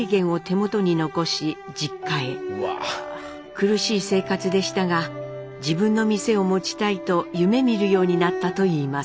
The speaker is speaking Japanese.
苦しい生活でしたが自分の店を持ちたいと夢みるようになったといいます。